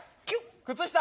靴下！